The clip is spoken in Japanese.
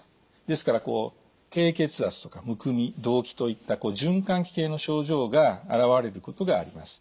ですから低血圧とかむくみ動悸といった循環器系の症状が現れることがあります。